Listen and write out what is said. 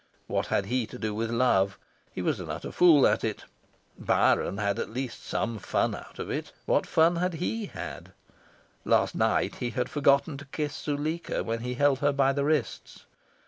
What had he to do with love? He was an utter fool at it. Byron had at least had some fun out of it. What fun had HE had? Last night, he had forgotten to kiss Zuleika when he held her by the wrists.